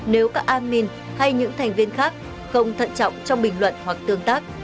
nếu các an minh hay những thành viên khác không thận trọng trong bình luận hoặc tương tác